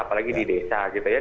apalagi di desa gitu ya